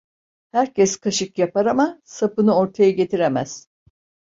Herkes kaşık yapar ama sapını ortaya getiremez.